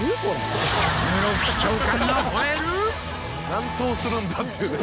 何投するんだっていうね。